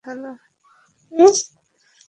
Hello, hello.